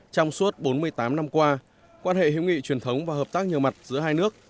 trong suốt bốn mươi tám năm qua quan hệ hữu nghị truyền thống và hợp tác nhiều mặt giữa hai nước